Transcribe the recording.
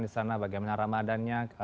disana bagaimana ramadannya